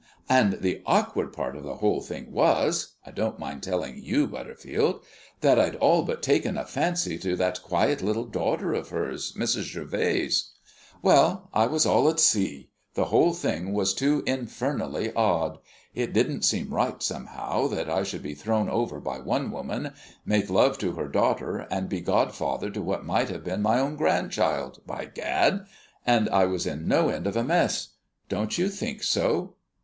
"And the awkward part of the whole thing was I don't mind telling you, Butterfield that I'd all but taken a fancy to that quiet little daughter of hers, Mrs. Gervase. Well, I was all at sea; the whole thing was too infernally odd. It didn't seem right, somehow, that I should be thrown over by one woman, make love to her daughter, and be godfather to what might have been my own grandchild, by Gad; and I was in no end of a mess. Don't you think so?"